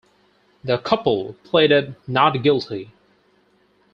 The couple pleaded not guilty.